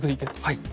はい。